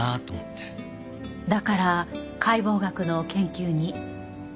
だから解剖学の研究に？